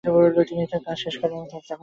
তিনি তার কাজ শেষ করেন এবং তার টাকা চান।